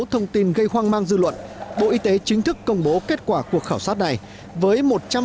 thông tin gây hoang mang dư luận bộ y tế chính thức công bố kết quả cuộc khảo sát này với một trăm linh